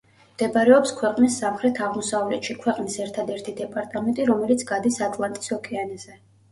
მდებარეობს ქვეყნის სამხრეთ-აღმოსავლეთში, ქვეყნის ერთადერთი დეპარტამენტი, რომელიც გადის ატლანტის ოკეანეზე.